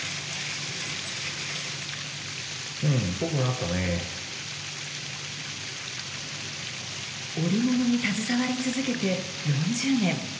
うーん、織物に携わり続けて４０年。